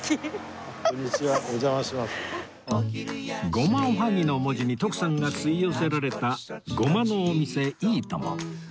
「ごまおはぎ」の文字に徳さんが吸い寄せられたごまのお店いい友